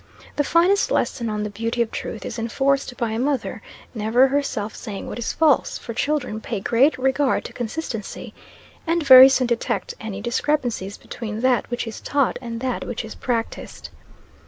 The finest lesson on the beauty of truth is enforced by a mother never herself saying what is false; for children pay great regard to consistency, and very soon detect any discrepancies between that which is taught and that which is practised.